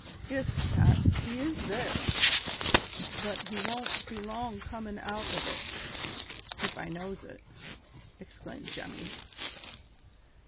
"Yis, Pat, he is there, but he wont be long coming out of it, if I knows it," exclaimed Jemmy.